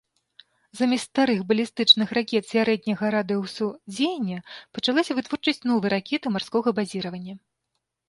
Замест старых балістычных ракет сярэдняга радыусу дзеяння пачалася вытворчасць новай ракеты марскога базіравання.